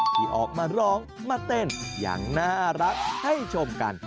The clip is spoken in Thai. ที่ออกมาร้องมาเต้นอย่างน่ารักให้ชมกัน